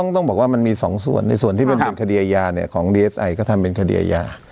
ต้องบอกว่ามันมี๒ส่วนในส่วนที่มันเป็นคดีอาญาเนี่ยของดีเอสไอก็ทำเป็นคดีอาญา